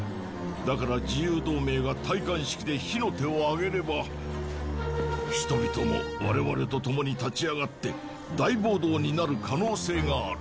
だから自由同盟が戴冠式で火の手を上げれば人々も我々と共に立ち上がって大暴動になる可能性がある。